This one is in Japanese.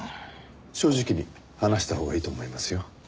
正直に話したほうがいいと思いますよ。